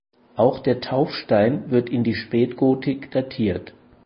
Auch der Taufstein wird in die Spätgotik datiert.